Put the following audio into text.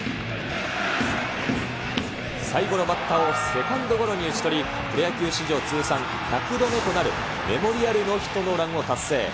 最後のバッターをセカンドゴロに打ち取り、プロ野球史上通算１００度目となる、メモリアルノーヒットノーランを達成。